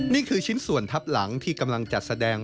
นี่คือชิ้นส่วนทับหลังที่กำลังจัดแสดง